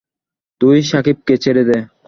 তুই শাকিবকে ছেড়ে দে!